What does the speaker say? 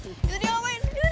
itu dia ngapain